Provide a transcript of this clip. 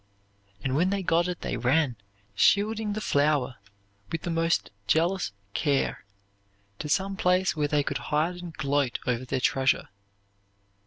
And when they got it they ran, shielding the flower with the most jealous care, to some place where they could hide and gloat over their treasure.